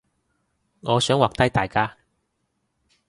我想畫低大家